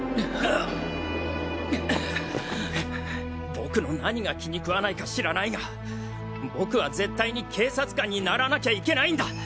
僕の何が気に食わないか知らないが僕は絶対に警察官にならなきゃいけないんだ！